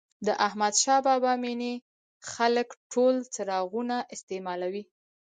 د احمدشاه بابا مېنې خلک ټول څراغونه استعمالوي.